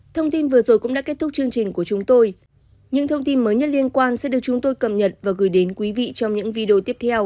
thông tin vừa rồi cũng đã kết thúc chương trình của chúng tôi